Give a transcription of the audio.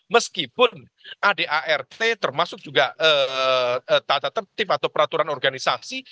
meskipun adart termasuk juga tata tertib atau peraturan organisasi